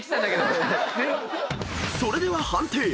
［それでは判定。